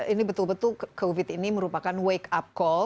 ini betul betul covid ini merupakan wake up call